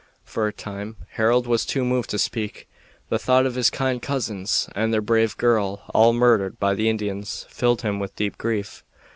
For a time Harold was too moved to speak. The thought of his kind cousins and their brave girl all murdered by the Indians filled him with deep grief.